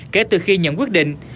kể từ khi nhận quyết định